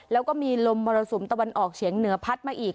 แล้วก็มีลมมรสุมตะวันออกเฉียงเหนือพัดมาอีก